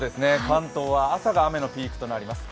関東は朝が雨のピークとなります。